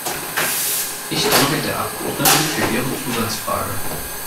Ich danke der Abgeordneten für ihre Zusatzfrage.